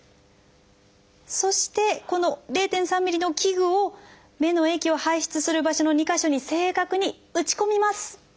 そしてこの０．３ｍｍの器具を目の液を排出する場所の２か所に正確に打ち込みます。